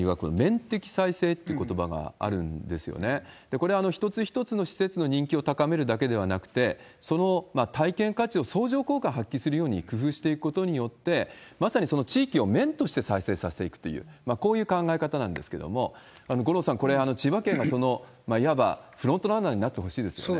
そうして小さいときに千葉に訪れて学んでいただいたことを、よかったなと思って、その体験価値を相乗効果を発揮するように工夫していくことによって、まさにその地域を面として再生させていくという、こういう考え方なんですけれども、五郎さん、これ、千葉県が、そのいわばフロントランナーになってほしいですね。